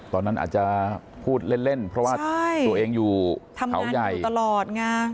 ตอนนั้นอาจจะพูดเล่นเพราะว่าตัวเองอยู่เขาใหญ่ตลอดไง